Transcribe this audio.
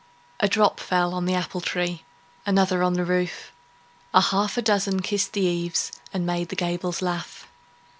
A drop fell on the apple tree, Another on the roof; A half a dozen kissed the eaves, And made the gables laugh.